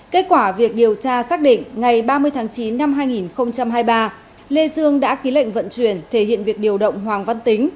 kết quả việc điều tra xác định ngày ba mươi tháng chín năm hai nghìn hai mươi ba lê dương đã ký lệnh vận chuyển thể hiện việc điều động hoàng văn tính